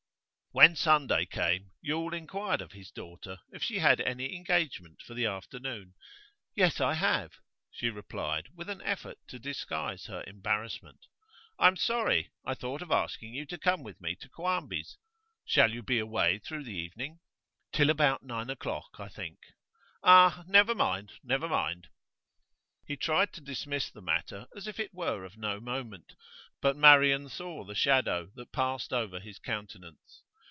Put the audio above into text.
When Sunday came, Yule inquired of his daughter if she had any engagement for the afternoon. 'Yes, I have,' she replied, with an effort to disguise her embarrassment. 'I'm sorry. I thought of asking you to come with me to Quarmby's. Shall you be away through the evening?' 'Till about nine o'clock, I think.' 'Ah! Never mind, never mind.' He tried to dismiss the matter as if it were of no moment, but Marian saw the shadow that passed over his countenance.